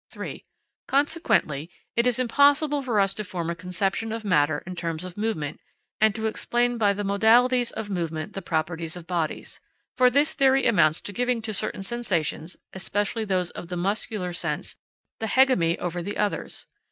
3. Consequently, it is impossible for us to form a conception of matter in terms of movement, and to explain by the modalities of movement the properties of bodies; for this theory amounts to giving to certain sensations, especially those of the muscular sense, the hegemony over the others.